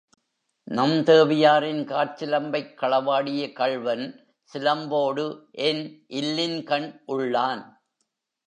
நம் தேவியாரின் காற்சிலம்பைக் களவாடிய கள்வன், சிலம்போடு என் இல்லின்கண் உள்ளான்.